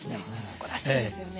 誇らしいですよね。